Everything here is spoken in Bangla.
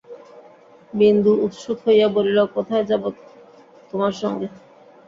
বিন্দু উৎসুক হইয়া বলিল, কোথায় যাব তোমার সঙ্গে?